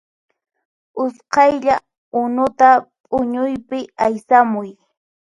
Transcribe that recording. Usqhaylla unuta p'uñuypi aysamuy